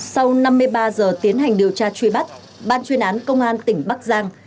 sau năm mươi ba giờ tiến hành điều tra truy bắt ban chuyên án công an tỉnh bắc giang